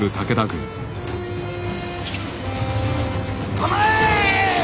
構え！